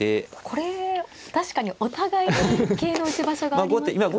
これ確かにお互いに桂の打ち場所がありますか。